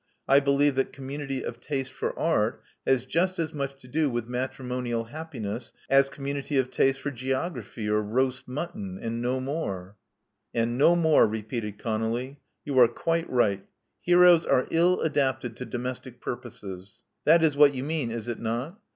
I believe that community of taste for art has just as much to do with matrimonial happiness as com munity of taste for geography or roast mutton, and no more." And no more," repeated Conolly. "You are quite right. Heroes are ill adapted to domestic purposes. 3o8 Love Among the Artists That is what you mean, is it not?